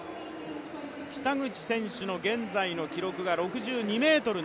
北口選手の現在の記録が６２ｍ７ｃｍ。